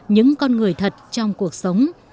những con người thật trong cuộc sống